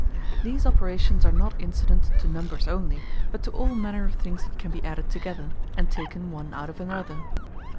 These operations are not incident to Numbers onely, but to all manner of things that can be added together, and taken one out of another.